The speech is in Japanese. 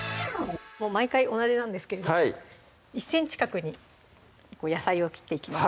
毎回同じなんですけれど１ｃｍ角に野菜を切っていきます